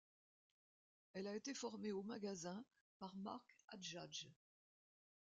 Elle a été formée au Magasin par Marc Adjadj.